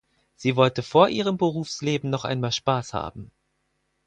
Sie wollte vor ihrem Berufsleben noch einmal Spaß haben.